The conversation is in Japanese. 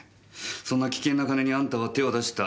そんな危険な金にあんたは手を出した。